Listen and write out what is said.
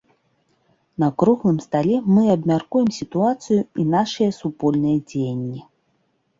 На круглым стале мы абмяркуем сітуацыю і нашыя супольныя дзеянні.